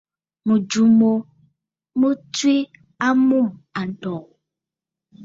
Mɨ̀jɨ̂ mo mɨ tswe a mûm àntɔ̀ɔ̀.